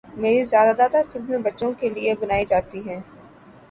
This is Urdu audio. میری زیادہ تر فلمیں بچوں کیلئے بنائی جاتی ہیں